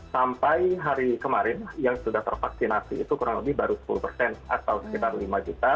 sampai hari kemarin yang sudah tervaksinasi itu kurang lebih baru sepuluh persen atau sekitar lima juta